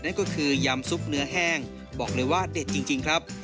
นั่นก็คือยำซุปเนื้อแห้งบอกเลยว่าเด็ดจริงครับ